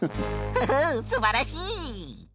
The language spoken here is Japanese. フフッすばらしい。